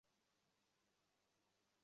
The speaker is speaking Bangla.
আমরা কি করতে পারি?